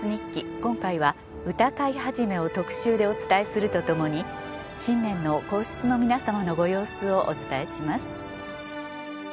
今回は歌会始を特集でお伝えするとともに新年の皇室の皆さまのご様子をお伝えします。